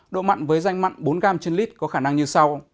độ mặn với danh mặn bốn gram trên lít có khả năng như sau